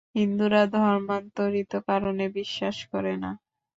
হিন্দুরা ধর্মান্তরিত-করণে বিশ্বাস করে না।